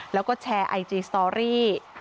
แล้วก็แชร์ไอจีสตอรี่